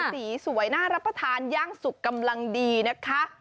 สีสวยน่ารับประทานย่างสุกกำลังดีนะคะ